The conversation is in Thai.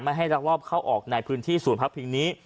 ให้รักรอบเข้าออกในพื้นที่ศูนย์พักพิงนี้